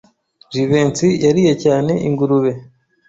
Jivency yariye cyane ingurube.